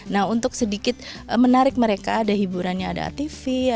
nah untuk sedikit menarik mereka ada hiburannya ada atv